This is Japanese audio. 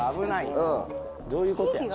どういうことや？